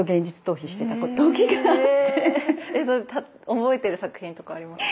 覚えてる作品とかありますか？